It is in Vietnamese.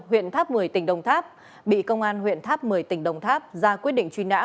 huyện tháp một mươi tỉnh đồng tháp bị công an huyện tháp một mươi tỉnh đồng tháp ra quyết định truy nã